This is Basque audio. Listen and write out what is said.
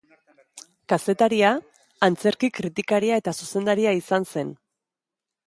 Kazetaria, antzerki-kritikaria eta zuzendaria izan zen.